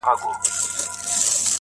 ارزښتونو له امتزاجه جوړوي